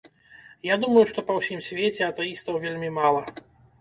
Я думаю, што па ўсім свеце атэістаў вельмі мала.